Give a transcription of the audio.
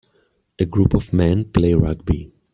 A group of men play rugby.